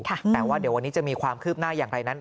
แต่ว่าเดี๋ยววันนี้จะมีความคืบหน้าอย่างไรนั้น